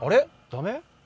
ダメ？